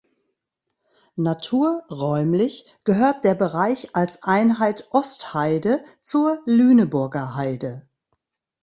Naturräumlich gehört der Bereich als Einheit "Ostheide" zur Lüneburger Heide.